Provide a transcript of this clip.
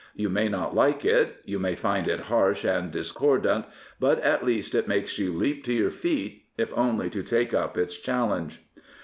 You may not like it. You may find it harsh and discordant. But at least it makes you leap to your feet, if only to take up its challenge.